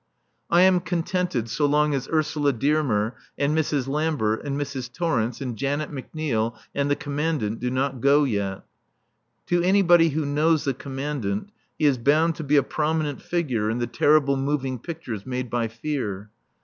I am contented so long as Ursula Dearmer and Mrs. Lambert and Mrs. Torrence and Janet McNeil and the Commandant do not go yet. To anybody who knows the Commandant he is bound to be a prominent figure in the terrible moving pictures made by fear.